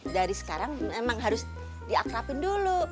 dari sekarang emang harus diakrabin dulu